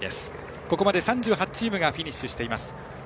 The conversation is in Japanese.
ここまで３８チームがフィニッシュしています。